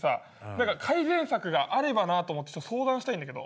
何か改善策があればなと思ってさ相談したいんだけど。